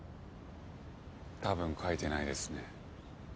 多分描いてないですね。